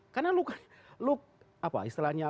karena luka apa istilahnya